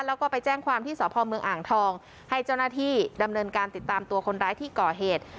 แล้วก็ไปแจ้งความที่สพเมืองอ่างทองให้เจ้าหน้าที่ดำเนินการติดตามตัวคนร้ายที่ก่อเหตุ